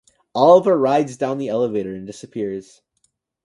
Oliver rides down in the elevator and disappears.